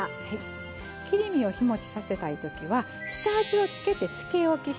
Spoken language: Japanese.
切り身を日もちさせたい時は下味を付けて漬けおきします。